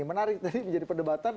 menarik tadi menjadi perdebatan